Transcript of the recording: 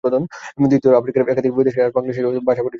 দ্বিতীয়ত, আফ্রিকার একাধিক দেশের আর বাংলাদেশের ভাষা পরিস্থিতি এক নয়।